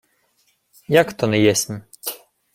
— Як то не єсмь?